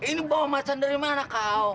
ini bawa macan dari mana kau